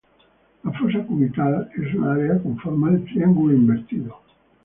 La fosa cubital es un área con forma de triángulo invertido.